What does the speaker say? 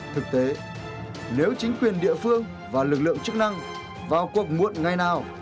thực tế nếu chính quyền địa phương và lực lượng chức năng vào cuộc muộn ngày nào